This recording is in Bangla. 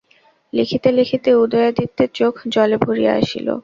লিখিতে লিখিতে উদয়াদিত্যের চোখ জলে ভরিয়া আসিল।